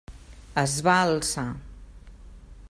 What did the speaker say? Es va alçar.